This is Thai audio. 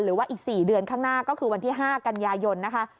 หรือว่าอีก๔เดือนข้างหน้าก็คือวันที่๕กันยายนนะคะ